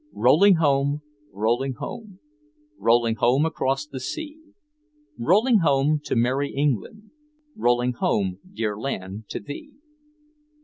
Rolling home, rolling home, Rolling home across the sea, Rolling home to merry England, Rolling home dear land to thee.